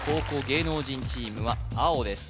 芸能人チームは青です